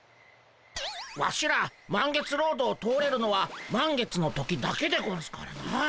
ワシら満月ロードを通れるのは満月の時だけでゴンスからな。